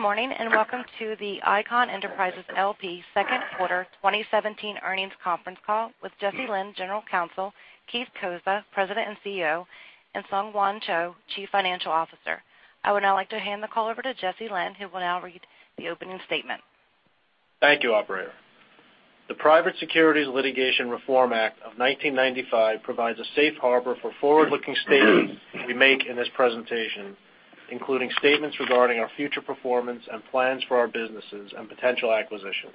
Good morning, welcome to the Icahn Enterprises L.P. second quarter 2017 earnings conference call with Jesse Lynn, General Counsel, Keith Cozza, President and CEO, and SungHwan Cho, Chief Financial Officer. I would now like to hand the call over to Jesse Lynn, who will now read the opening statement. Thank you, operator. The Private Securities Litigation Reform Act of 1995 provides a safe harbor for forward-looking statements we make in this presentation, including statements regarding our future performance and plans for our businesses and potential acquisitions.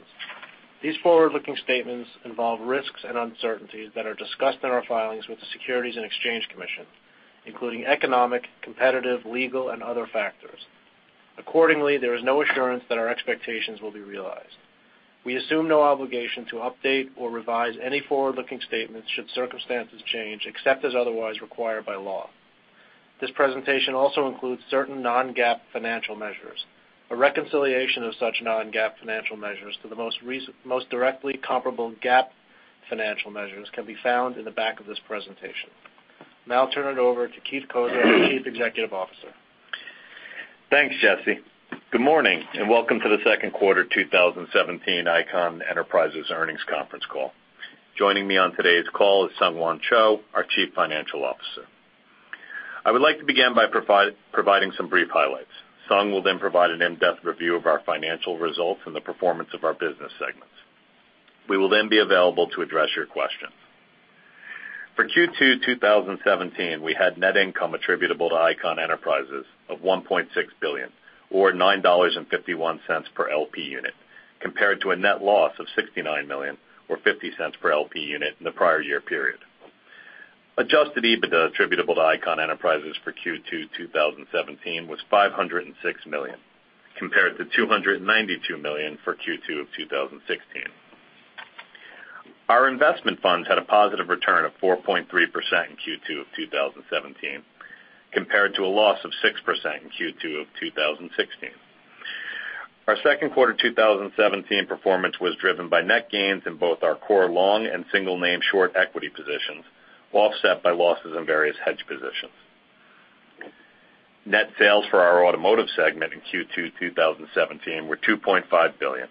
These forward-looking statements involve risks and uncertainties that are discussed in our filings with the Securities and Exchange Commission, including economic, competitive, legal, and other factors. Accordingly, there is no assurance that our expectations will be realized. We assume no obligation to update or revise any forward-looking statements should circumstances change, except as otherwise required by law. This presentation also includes certain non-GAAP financial measures. A reconciliation of such non-GAAP financial measures to the most directly comparable GAAP financial measures can be found in the back of this presentation. I'll turn it over to Keith Cozza, Chief Executive Officer. Thanks, Jesse. Good morning, welcome to the second quarter 2017 Icahn Enterprises earnings conference call. Joining me on today's call is SungHwan Cho, our Chief Financial Officer. I would like to begin by providing some brief highlights. Sung will provide an in-depth review of our financial results and the performance of our business segments. We will be available to address your questions. For Q2 2017, we had net income attributable to Icahn Enterprises of $1.6 billion, or $9.51 per LP unit, compared to a net loss of $69 million, or $0.50 per LP unit in the prior year period. Adjusted EBITDA attributable to Icahn Enterprises for Q2 2017 was $506 million, compared to $292 million for Q2 of 2016. Our investment funds had a positive return of 4.3% in Q2 of 2017, compared to a loss of 6% in Q2 of 2016. Our second quarter 2017 performance was driven by net gains in both our core long and single-name short equity positions, offset by losses in various hedge positions. Net sales for our Automotive segment in Q2 2017 were $2.5 billion,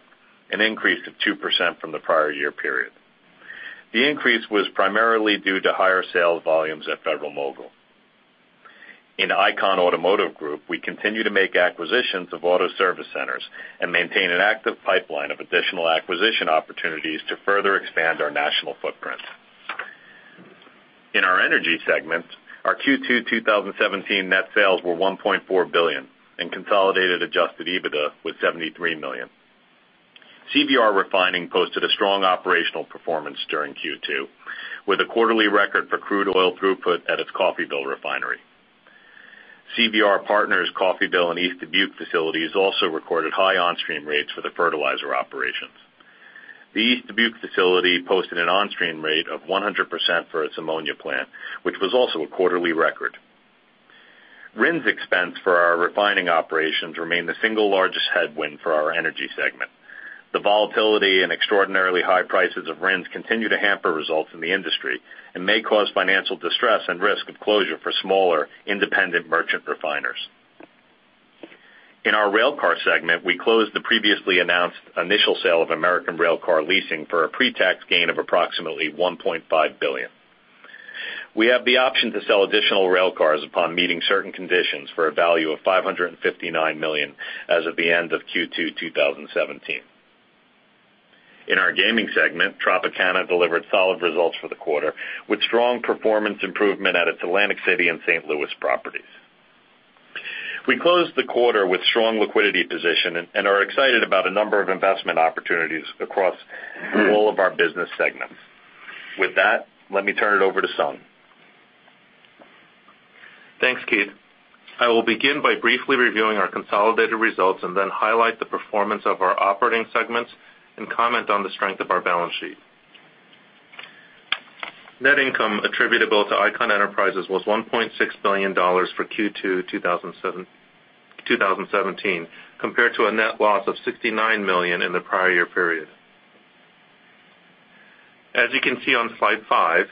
an increase of 2% from the prior year period. The increase was primarily due to higher sales volumes at Federal-Mogul. In Icahn Automotive Group, we continue to make acquisitions of auto service centers and maintain an active pipeline of additional acquisition opportunities to further expand our national footprint. In our Energy segment, our Q2 2017 net sales were $1.4 billion and consolidated Adjusted EBITDA was $73 million. CVR Refining posted a strong operational performance during Q2, with a quarterly record for crude oil throughput at its Coffeyville refinery. CVR Partners' Coffeyville and East Dubuque facilities also recorded high on-stream rates for the fertilizer operations. The East Dubuque facility posted an on-stream rate of 100% for its ammonia plant, which was also a quarterly record. RINs expense for our refining operations remain the single largest headwind for our Energy segment. The volatility and extraordinarily high prices of RINs continue to hamper results in the industry and may cause financial distress and risk of closure for smaller independent merchant refiners. In our Railcar segment, we closed the previously announced initial sale of American Railcar Leasing for a pre-tax gain of approximately $1.5 billion. We have the option to sell additional railcars upon meeting certain conditions for a value of $559 million as of the end of Q2 2017. In our Gaming segment, Tropicana delivered solid results for the quarter, with strong performance improvement at its Atlantic City and St. Louis properties. We closed the quarter with strong liquidity position and are excited about a number of investment opportunities across all of our business segments. With that, let me turn it over to Sung. Thanks, Keith. I will begin by briefly reviewing our consolidated results and then highlight the performance of our operating segments and comment on the strength of our balance sheet. Net income attributable to Icahn Enterprises was $1.6 billion for Q2 2017, compared to a net loss of $69 million in the prior year period. As you can see on slide five,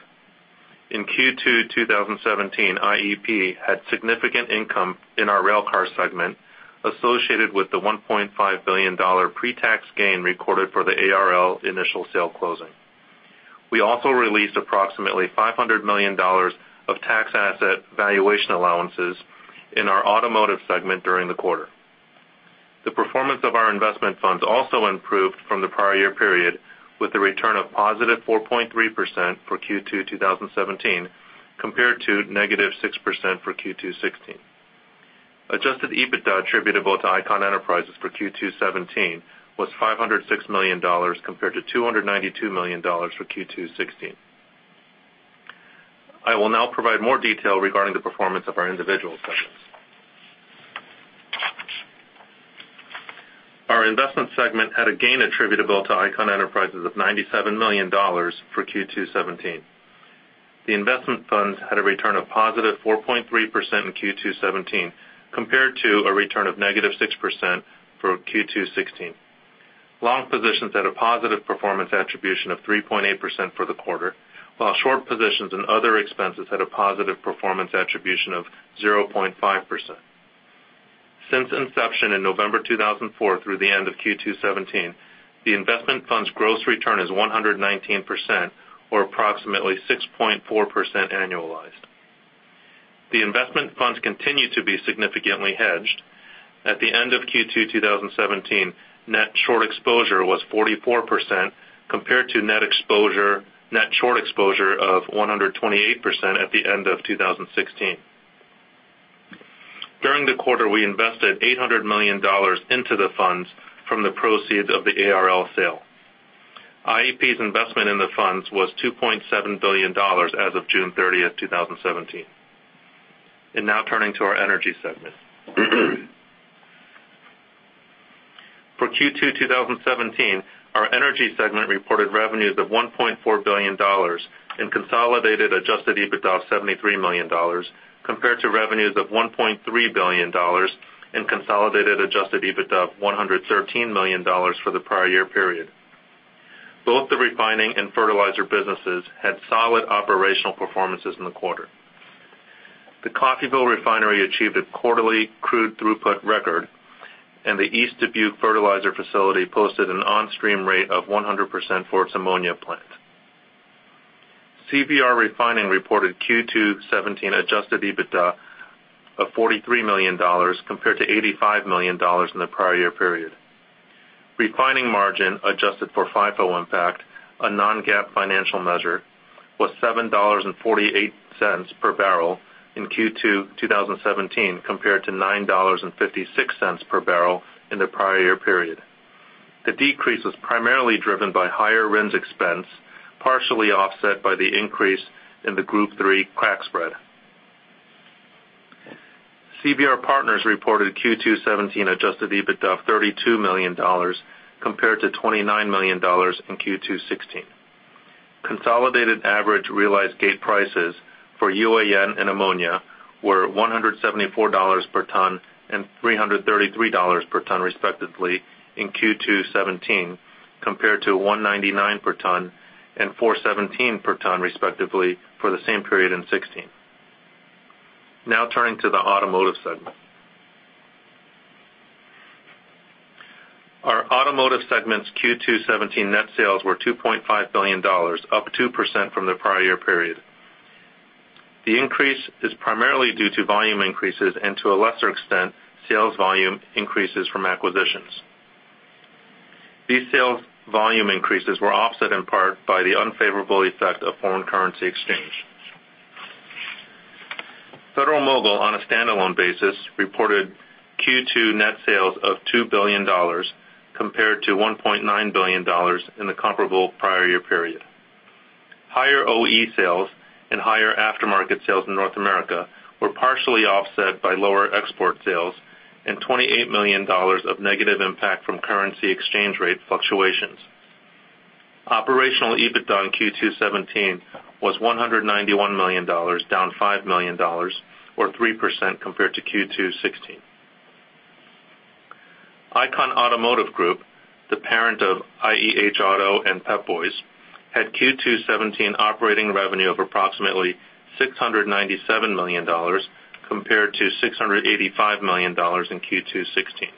in Q2 2017, IEP had significant income in our Railcar segment associated with the $1.5 billion pre-tax gain recorded for the ARL initial sale closing. We also released approximately $500 million of tax asset valuation allowances in our Automotive segment during the quarter. The performance of our investment funds also improved from the prior year period, with a return of positive 4.3% for Q2 2017, compared to negative 6% for Q2 '16. Adjusted EBITDA attributable to Icahn Enterprises for Q2 '17 was $506 million compared to $292 million for Q2 '16. I will now provide more detail regarding the performance of our individual segments. Our Investment segment had a gain attributable to Icahn Enterprises of $97 million for Q2 '17. The investment funds had a return of positive 4.3% in Q2 '17, compared to a return of negative 6% for Q2 '16. Long positions had a positive performance attribution of 3.8% for the quarter, while short positions and other expenses had a positive performance attribution of 0.5%. Since inception in November 2004 through the end of Q2 '17, the investment fund's gross return is 119%, or approximately 6.4% annualized. The investment funds continue to be significantly hedged. At the end of Q2 2017, net short exposure was 44%, compared to net short exposure of 128% at the end of 2016. During the quarter, we invested $800 million into the funds from the proceeds of the ARL sale. IEP's investment in the funds was $2.7 billion as of June 30, 2017. Now turning to our energy segment. For Q2 2017, our energy segment reported revenues of $1.4 billion and consolidated adjusted EBITDA of $73 million, compared to revenues of $1.3 billion and consolidated adjusted EBITDA of $113 million for the prior year period. Both the refining and fertilizer businesses had solid operational performances in the quarter. The Coffeyville refinery achieved a quarterly crude throughput record, and the East Dubuque fertilizer facility posted an on-stream rate of 100% for its ammonia plant. CVR Refining reported Q2 '17 adjusted EBITDA of $43 million compared to $85 million in the prior year period. Refining margin adjusted for FIFO impact, a non-GAAP financial measure, was $7.48 per barrel in Q2 2017, compared to $9.56 per barrel in the prior year period. The decrease was primarily driven by higher RINs expense, partially offset by the increase in the Group 3 crack spread. CVR Partners reported Q2 '17 adjusted EBITDA of $32 million compared to $29 million in Q2 '16. Consolidated average realized gate prices for UAN and ammonia were $174 per ton and $333 per ton, respectively, in Q2 '17, compared to $199 per ton and $417 per ton, respectively, for the same period in '16. Now turning to the automotive segment. Our automotive segment's Q2 '17 net sales were $2.5 billion, up 2% from the prior year period. The increase is primarily due to volume increases and to a lesser extent, sales volume increases from acquisitions. These sales volume increases were offset in part by the unfavorable effect of foreign currency exchange. Federal-Mogul, on a standalone basis, reported Q2 net sales of $2 billion, compared to $1.9 billion in the comparable prior year period. Higher OE sales and higher aftermarket sales in North America were partially offset by lower export sales and $28 million of negative impact from currency exchange rate fluctuations. Operational EBITDA in Q2 '17 was $191 million, down $5 million or 3% compared to Q2 '16. Icahn Automotive Group, the parent of IEH Auto and Pep Boys, had Q2 '17 operating revenue of approximately $697 million compared to $685 million in Q2 '16.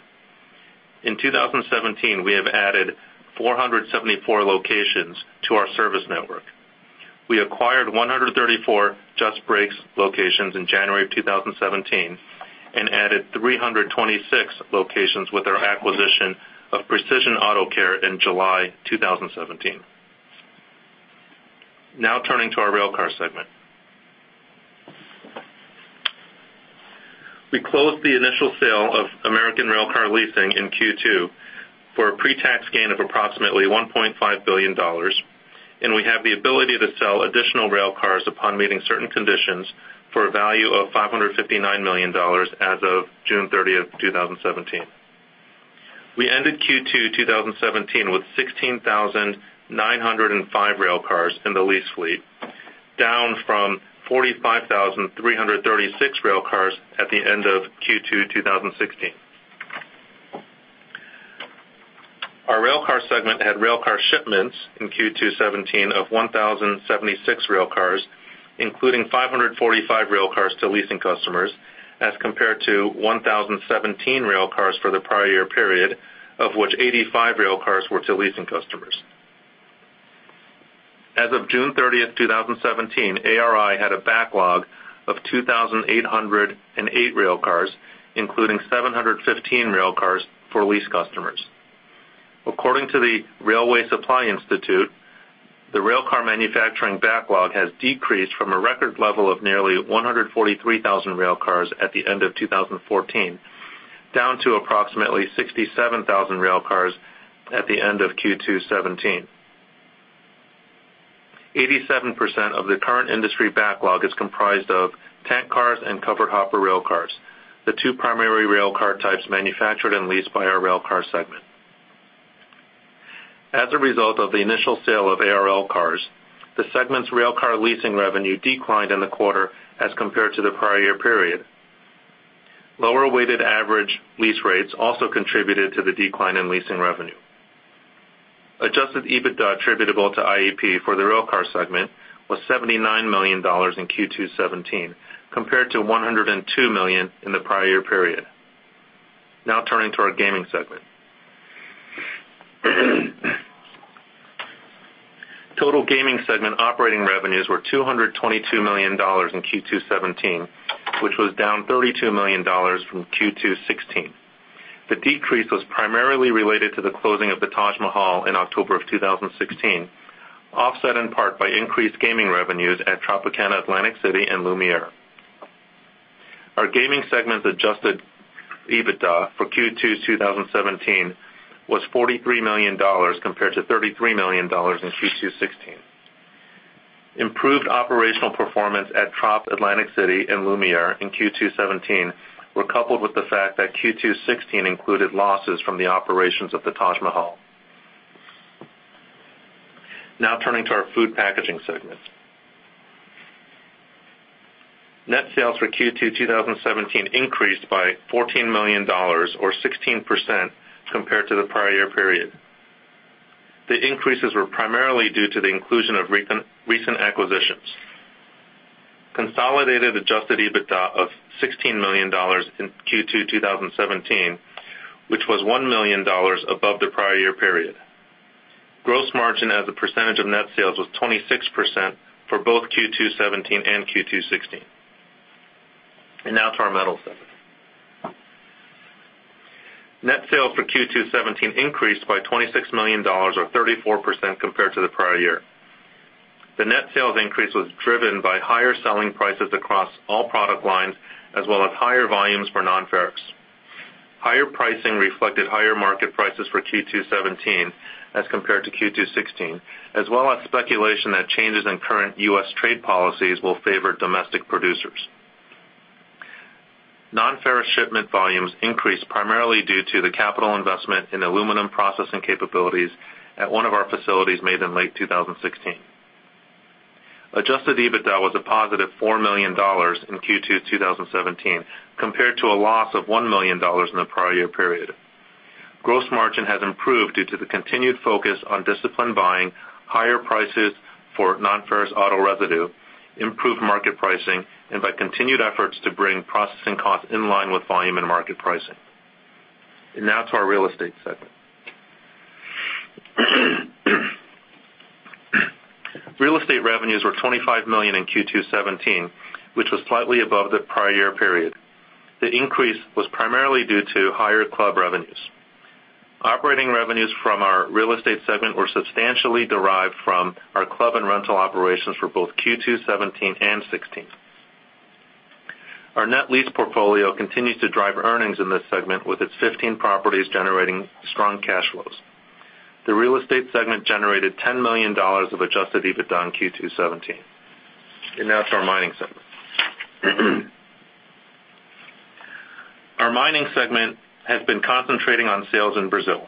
In 2017, we have added 474 locations to our service network. We acquired 134 Just Brakes locations in January of 2017 and added 326 locations with our acquisition of Precision Auto Care in July 2017. Now turning to our railcar segment. We closed the initial sale of American Railcar Leasing in Q2 for a pretax gain of approximately $1.5 billion, and we have the ability to sell additional railcars upon meeting certain conditions for a value of $559 million as of June 30, 2017. We ended Q2 2017 with 16,905 railcars in the lease fleet, down from 45,336 railcars at the end of Q2 2016. Our railcar segment had railcar shipments in Q2 '17 of 1,076 railcars, including 545 railcars to leasing customers, as compared to 1,017 railcars for the prior year period, of which 85 railcars were to leasing customers. As of June 30, 2017, ARI had a backlog of 2,808 railcars, including 715 railcars for lease customers. According to the Railway Supply Institute, the railcar manufacturing backlog has decreased from a record level of nearly 143,000 railcars at the end of 2014, down to approximately 67,000 railcars at the end of Q2 '17. 87% of the current industry backlog is comprised of tank cars and covered hopper railcars, the two primary railcar types manufactured and leased by our Railcar segment. As a result of the initial sale of ARL cars, the segment's railcar leasing revenue declined in the quarter as compared to the prior year period. Lower weighted average lease rates also contributed to the decline in leasing revenue. Adjusted EBITDA attributable to IEP for the Railcar segment was $79 million in Q2 '17, compared to $102 million in the prior year period. Turning to our Gaming segment. Total Gaming segment operating revenues were $222 million in Q2 '17, which was down $32 million from Q2 '16. The decrease was primarily related to the closing of the Taj Mahal in October of 2016, offset in part by increased gaming revenues at Tropicana Atlantic City and Lumiere. Our Gaming segment's adjusted EBITDA for Q2 2017 was $43 million, compared to $33 million in Q2 '16. Improved operational performance at Trop Atlantic City and Lumiere in Q2 '17 were coupled with the fact that Q2 '16 included losses from the operations of the Taj Mahal. Turning to our Food Packaging segment. Net sales for Q2 2017 increased by $14 million, or 16%, compared to the prior year period. The increases were primarily due to the inclusion of recent acquisitions. Consolidated adjusted EBITDA of $16 million in Q2 2017, which was $1 million above the prior year period. Gross margin as a percentage of net sales was 26% for both Q2 '17 and Q2 '16. To our Metals segment. Net sales for Q2 '17 increased by $26 million, or 34%, compared to the prior year. The net sales increase was driven by higher selling prices across all product lines, as well as higher volumes for nonferrous. Higher pricing reflected higher market prices for Q2 '17 as compared to Q2 '16, as well as speculation that changes in current U.S. trade policies will favor domestic producers. Nonferrous shipment volumes increased primarily due to the capital investment in aluminum processing capabilities at one of our facilities made in late 2016. Adjusted EBITDA was a positive $4 million in Q2 2017, compared to a loss of $1 million in the prior year period. Gross margin has improved due to the continued focus on disciplined buying, higher prices for nonferrous auto residue, improved market pricing, and by continued efforts to bring processing costs in line with volume and market pricing. To our Real Estate segment. Real Estate revenues were $25 million in Q2 '17, which was slightly above the prior year period. The increase was primarily due to higher club revenues. Operating revenues from our Real Estate segment were substantially derived from our club and rental operations for both Q2 '17 and '16. Our net lease portfolio continues to drive earnings in this segment with its 15 properties generating strong cash flows. The Real Estate segment generated $10 million of adjusted EBITDA in Q2 '17. To our Mining segment. Our Mining segment has been concentrating on sales in Brazil.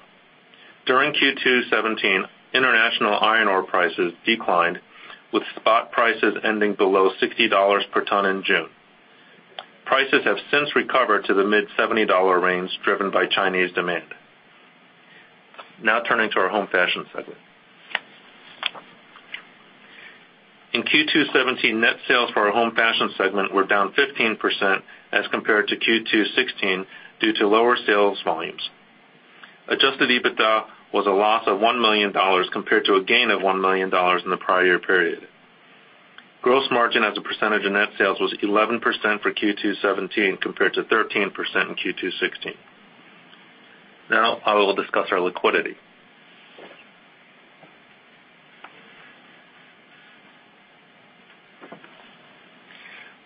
During Q2 2017, international iron ore prices declined, with spot prices ending below $60 per ton in June. Prices have since recovered to the mid-$70 range, driven by Chinese demand. Turning to our Home Fashion segment. In Q2 2017, net sales for our Home Fashion segment were down 15% as compared to Q2 2016 due to lower sales volumes. Adjusted EBITDA was a loss of $1 million compared to a gain of $1 million in the prior year period. Gross margin as a percentage of net sales was 11% for Q2 2017 compared to 13% in Q2 2016. I will discuss our liquidity.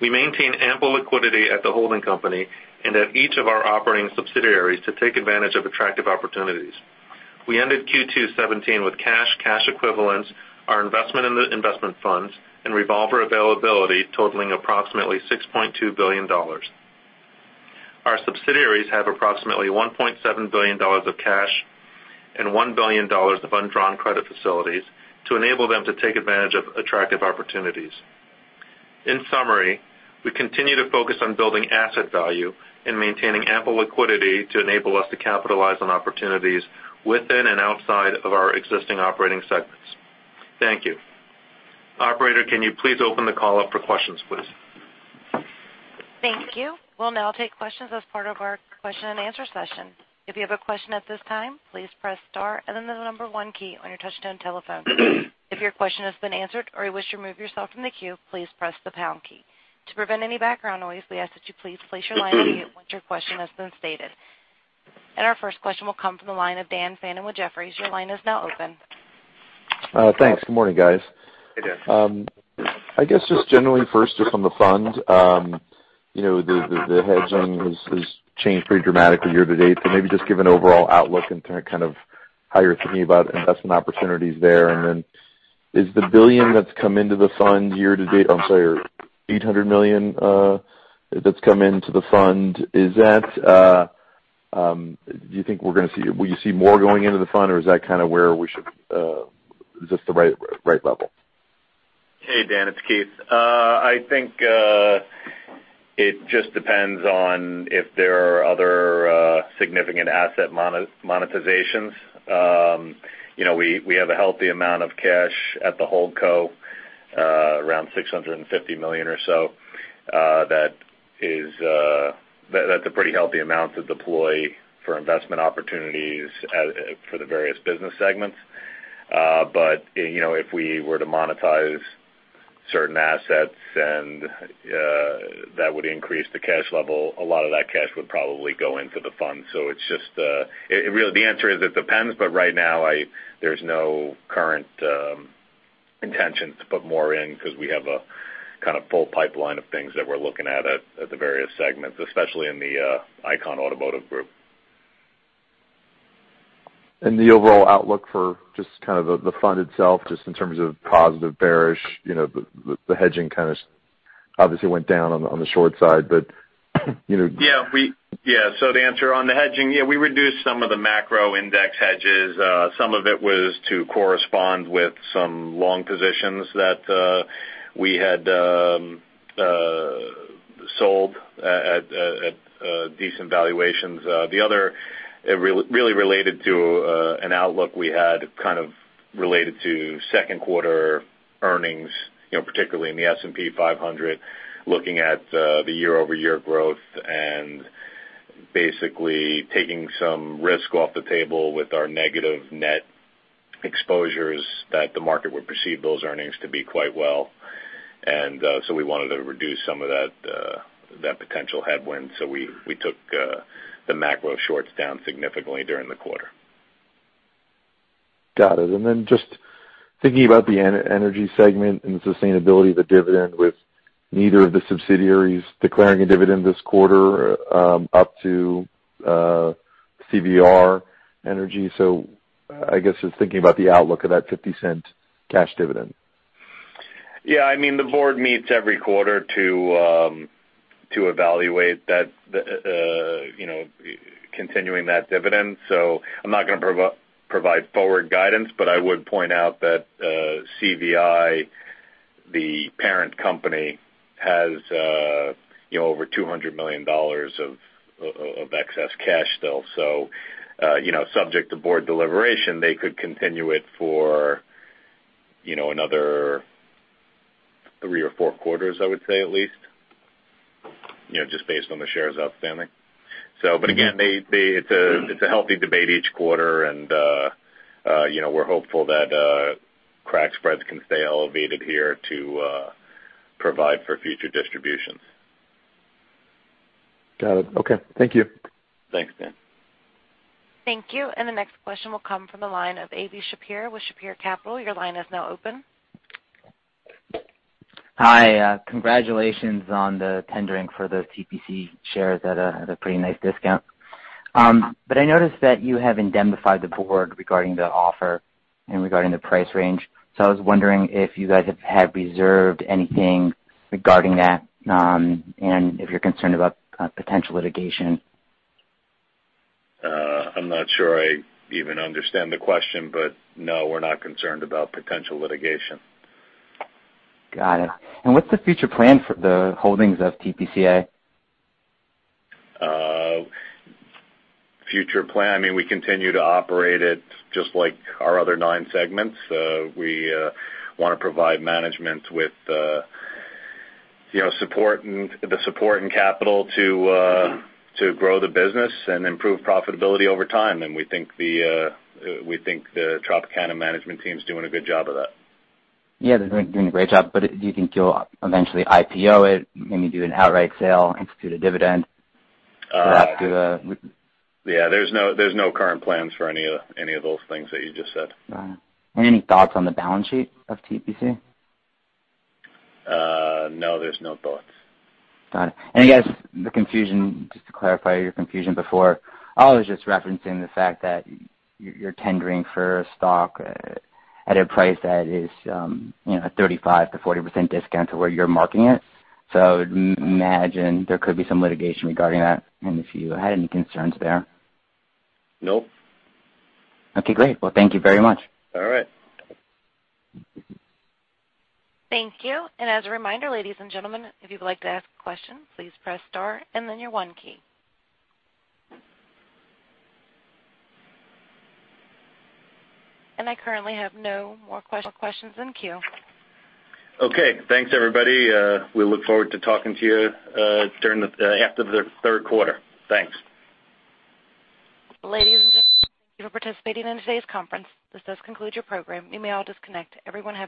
We maintain ample liquidity at the holding company and at each of our operating subsidiaries to take advantage of attractive opportunities. We ended Q2 2017 with cash equivalents, our investment in the investment funds, and revolver availability totaling approximately $6.2 billion. Our subsidiaries have approximately $1.7 billion of cash and $1 billion of undrawn credit facilities to enable them to take advantage of attractive opportunities. In summary, we continue to focus on building asset value and maintaining ample liquidity to enable us to capitalize on opportunities within and outside of our existing operating segments. Thank you. Operator, can you please open the call up for questions, please? Thank you. We'll now take questions as part of our question and answer session. If you have a question at this time, please press star and then the number one key on your touch-tone telephone. If your question has been answered or you wish to remove yourself from the queue, please press the pound key. To prevent any background noise, we ask that you please place your line on mute once your question has been stated. Our first question will come from the line of Daniel Fannon with Jefferies. Your line is now open. Thanks. Good morning, guys. Hey, Dan. I guess just generally first just on the fund, the hedging has changed pretty dramatically year to date. Maybe just give an overall outlook and kind of how you're thinking about investment opportunities there. Is the $1 billion that's come into the fund year to date, I'm sorry, or $800 million that's come into the fund, will you see more going into the fund or is that kind of where we should Is this the right level? Hey, Dan, it's Keith. I think it just depends on if there are other significant asset monetizations. We have a healthy amount of cash at the holdco, around $650 million or so. That's a pretty healthy amount to deploy for investment opportunities for the various business segments. If we were to monetize certain assets, and that would increase the cash level, a lot of that cash would probably go into the fund. The answer is it depends, but right now there's no current intention to put more in because we have a full pipeline of things that we're looking at the various segments, especially in the Icahn Automotive Group. The overall outlook for just the fund itself, just in terms of positive bearish, the hedging kind of obviously went down on the short side. The answer on the hedging, we reduced some of the macro index hedges. Some of it was to correspond with some long positions that we had sold at decent valuations. It really related to an outlook we had kind of related to second quarter earnings, particularly in the S&P 500, looking at the year-over-year growth and basically taking some risk off the table with our negative net exposures that the market would perceive those earnings to be quite well. We wanted to reduce some of that potential headwind. We took the macro shorts down significantly during the quarter. Got it. Just thinking about the energy segment and the sustainability of the dividend with neither of the subsidiaries declaring a dividend this quarter up to CVR Energy. I guess just thinking about the outlook of that $0.50 cash dividend. The board meets every quarter to evaluate continuing that dividend. I'm not going to provide forward guidance, but I would point out that CVI, the parent company, has over $200 million of excess cash still. Subject to board deliberation, they could continue it for another three or four quarters, I would say at least, just based on the shares outstanding. Again, it's a healthy debate each quarter, and we're hopeful that crack spreads can stay elevated here to provide for future distributions. Got it. Okay. Thank you. Thanks, Dan. Thank you. The next question will come from the line of Avi Shapiro with Shapiro Capital. Your line is now open. Hi. Congratulations on the tendering for those TPC shares at a pretty nice discount. I noticed that you have indemnified the board regarding the offer and regarding the price range. I was wondering if you guys have reserved anything regarding that, and if you're concerned about potential litigation. I'm not sure I even understand the question, but no, we're not concerned about potential litigation. Got it. What's the future plan for the holdings of Tropicana? Future plan, we continue to operate it just like our other nine segments. We want to provide management with the support and capital to grow the business and improve profitability over time. We think the Tropicana management team's doing a good job of that. Yeah, they're doing a great job. Do you think you'll eventually IPO it, maybe do an outright sale, institute a dividend, perhaps? Yeah, there's no current plans for any of those things that you just said. Got it. Any thoughts on the balance sheet of TPC? No, there's no thoughts. Got it. I guess the confusion, just to clarify your confusion before, I was just referencing the fact that you're tendering for a stock at a price that is a 35%-40% discount to where you're marking it. I would imagine there could be some litigation regarding that, and if you had any concerns there. No. Okay, great. Well, thank you very much. All right. Thank you. As a reminder, ladies and gentlemen, if you would like to ask questions, please press star and then your one key. I currently have no more questions in queue. Okay. Thanks, everybody. We look forward to talking to you after the third quarter. Thanks. Ladies and gentlemen, thank you for participating in today's conference. This does conclude your program. You may all disconnect. Everyone have a great day.